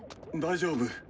大丈夫？